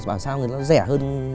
rồi bảo sao người ta rẻ hơn